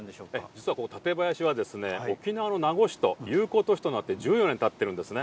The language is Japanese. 実はここ、館林は沖縄の名護市と友好都市となって１４年たってるんですね。